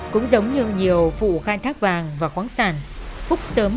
cũng giống như nhiều phụ khai thác vàng và khoáng sản phúc sớm rơi vào con đường nghiền ma túy